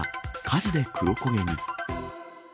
火事で黒焦げに。